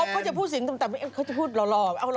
โป๊บเขาจะพูดสิ่งต่างเลยเขาจะพูดหล่อ